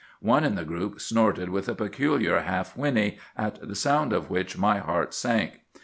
One in the group snorted with a peculiar half whinny, at the sound of which my heart sank.